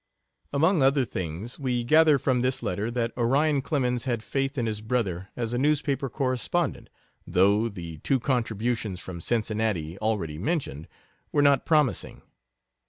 Among other things, we gather from this letter that Orion Clemens had faith in his brother as a newspaper correspondent, though the two contributions from Cincinnati, already mentioned, were not promising.